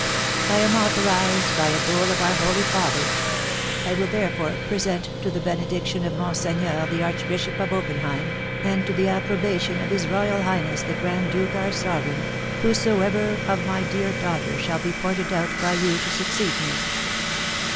"I am authorised by a bull of our holy father; I will, therefore, present to the benediction of monseigneur the Archbishop of Oppenheim, and to the approbation of his royal highness the grand duke our sovereign, whosoever of my dear daughters shall be pointed out by you to succeed me.